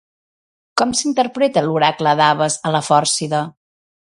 Com s'interpreta l'oracle d'Abes a la Fòrcida?